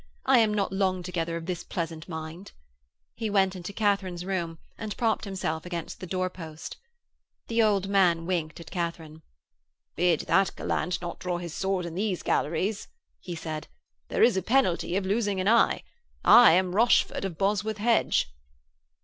'I am not long together of this pleasant mind.' He went into Katharine's room and propped himself against the door post. The old man winked at Katharine. 'Bid that gallant not draw his sword in these galleries,' he said. 'There is a penalty of losing an eye. I am Rochford of Bosworth Hedge.'